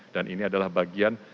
dan ini adalah bagian